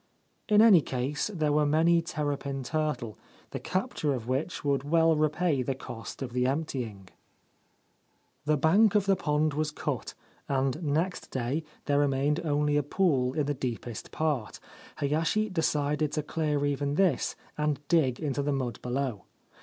In any case, there were many terrapin turtle, the capture of which would well repay the cost of the empty 256 The Secret of lidamachi Pond ing. The bank of the pond was cut, and next day there remained only a pool in the deepest part ; Hayashi decided to clear even this and dig into the mud below.